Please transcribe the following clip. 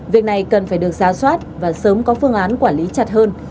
việc này cần phải được xa xoát và sớm có phương án quản lý chặt hơn